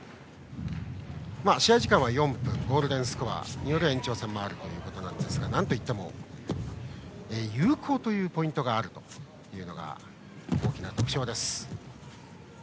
試合時間は４分でゴールデンスコアによる延長戦もあるということですがなんといっても有効というポイントがあるというのが大きな特徴です。